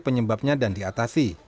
penyebabnya dan diatasi